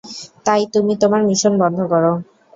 তাই তুমি, তোমার মিশন বন্ধ কর।